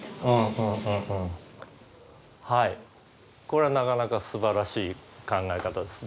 これなかなかすばらしい考え方です。